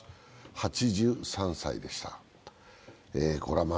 ８３歳でした。